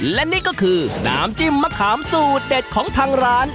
และนี่ก็คือน้ำจิ้มมะขามสูตรเด็ดของทางร้าน